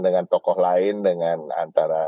dengan tokoh lain dengan antara